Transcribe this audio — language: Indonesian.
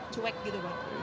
cuek gitu pak